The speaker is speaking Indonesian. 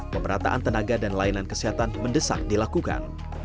pemerataan tenaga dan layanan kesehatan mendesak dilakukan